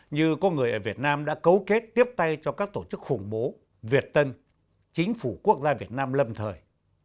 như có người ở việt nam đã cấu kết tiếp tay cho các tổ chức khủng bố việt tân chính phủ quốc gia việt nam lâm thời